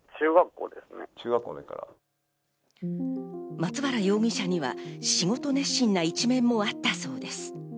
松原容疑者には仕事熱心な一面もあったそうです。